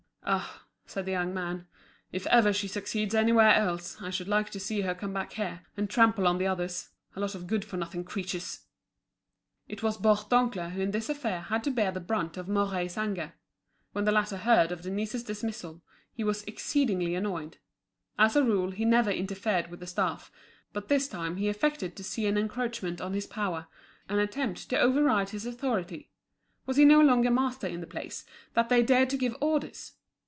"Ah," said the young man, "if ever she succeeds anywhere else, I should like to see her come back here, and trample on the others; a lot of good for nothing creatures!" It was Bourdoncle who in this affair had to bear the brunt of Mouret's anger. When the latter heard of Denise's dismissal, he was exceedingly annoyed. As a rule he never interfered with the staff; but this time he affected to see an encroachment on his power, an attempt to over ride his authority. Was he no longer master in the place, that they dared to give orders?